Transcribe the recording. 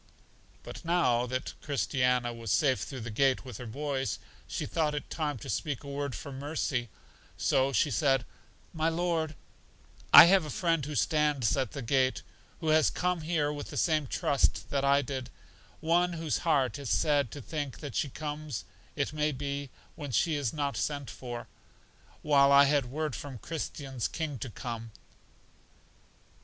But now that Christiana was safe through the gate with her boys, she thought it time to speak a word for Mercy, so she said, My Lord, I have a friend who stands at the gate, who has come here with the same trust that I did; one whose heart is sad to think that she comes, it may be, when she is not sent for; while I had word from Christian's King to come.